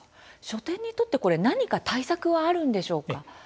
書店にとって何か対策はあるんでしょうか。